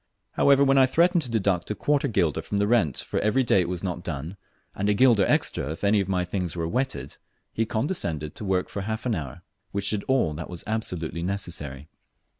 However, when I threatened to deduct a quarter guilder from the rent for every day it was not done, and a guilder extra if any of my things were wetted, he condescended to work for half an hour, which did all that was absolutely necessary.